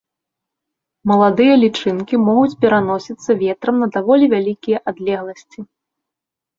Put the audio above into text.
Маладыя лічынкі могуць пераносіцца ветрам на даволі вялікія адлегласці.